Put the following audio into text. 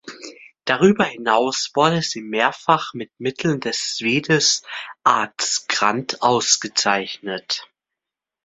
Darüber hinaus wurde sie mehrfach mit Mitteln des "Swedish Arts Grant" ausgezeichnet.